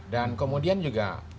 dan kemudian juga